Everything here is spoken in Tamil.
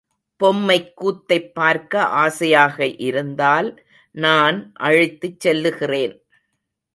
பொம்மைக்கூத்தைப் பார்க்க ஆசையாக இருந்தால் நான் அழைத்துச் செல்லுகிறேன்.